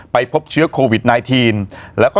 พบเชื้อโควิด๑๙แล้วก็